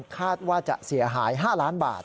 คาดว่าจะเสียหาย๕ล้านบาท